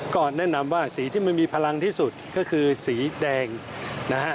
ก็แนะนำว่าสีที่มันมีพลังที่สุดก็คือสีแดงนะฮะ